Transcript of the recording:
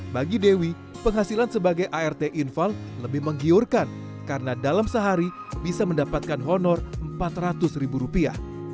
bagi dewi penghasilan sebagai art infal lebih menggiurkan karena dalam sehari bisa mendapatkan honor empat ratus ribu rupiah